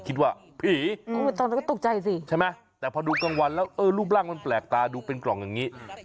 คิดว่าผีใช่ไหมแต่พอดูกลางวันแล้วรูปร่างมันแปลกตาดูเป็นกล่องอย่างนี้